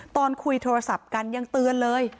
ตอนคุยโทรศัพท์กันยังเตือนเลย